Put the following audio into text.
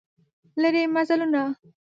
لیري مزلونه